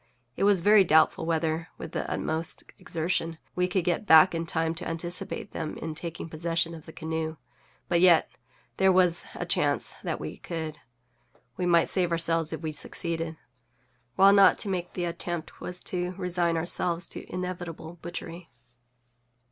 It was very doubtful whether, with the utmost exertion, we could get back in time to anticipate them in taking possession of the canoe; but yet there was a chance that we could. We might save ourselves if we succeeded, while not to make the attempt was to resign ourselves to inevitable butchery.